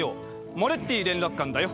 モレッティ連絡官だよ。